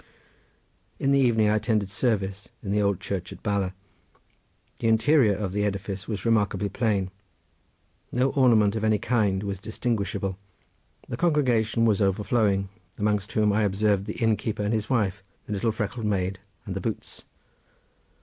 In the evening I attended service in the old church at Bala. The interior of the edifice was remarkably plain; no ornament of any kind was distinguishable; the congregation was overflowing, amongst whom I observed the innkeeper and his wife, the little freckled maid and the boots.